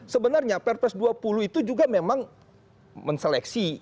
sebenarnya perpres dua puluh itu juga memang menseleksi